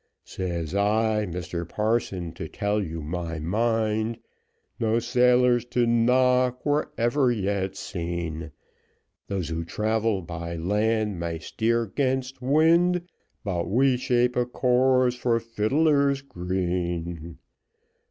Says I, Mr Parson, to tell you my mind, No sailors to knock were ever yet seen, Those who travel by land may steer 'gainst wind, But we shape a course for Fidler's Green.